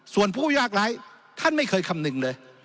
ส่วนผู้ยากร้ายท่านไม่เคยคำนึงเลย